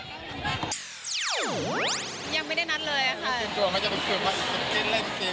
เตรียมตัวไม่ได้ต้องเตรียมว่าจะเตรียมอะไรจริง